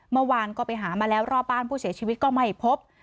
เมื่อวานก็ไปหามาแล้วรอบบ้านผู้เสียชีวิตก็ไม่พบ